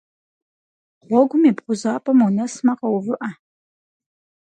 Гъуэгум и бгъузапӏэм унэсмэ, къэувыӏэ.